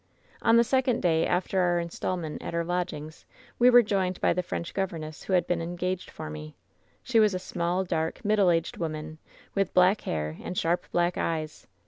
"On the second day after our installment at our lodg ings we were joined by the French governess who had been engaged for me. "She was a small, dark, middle aged woman, with black hair, and sharp, black eyes.